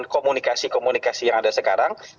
komunikasi komunikasi yang ada sekarang